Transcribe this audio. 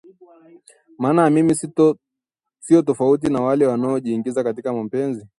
maana mimi si tofauti na wale wanaojingiza katika mapenzi